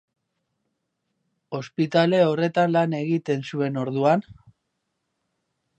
Ospitale horretan lan egiten zuen orduan?